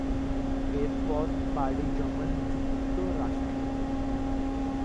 এরপর পাড়ি জমান যুক্তরাষ্ট্রে।